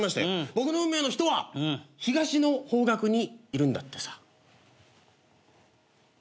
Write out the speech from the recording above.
僕の運命の人は東の方角にいるんだってさ。